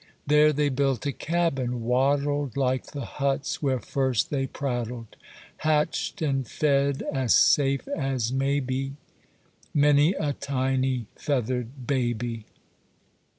There they built a cabin, wattled Like the huts where first they prattled, Hatched and fed, as safe as may be, Many a tiny feathered baby.